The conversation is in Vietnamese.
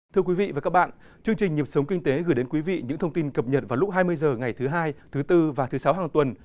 thưa quý vị và các bạn chương trình nhịp sống kinh tế gửi đến quý vị những thông tin cập nhật vào lúc hai mươi h ngày thứ hai thứ bốn và thứ sáu hàng tuần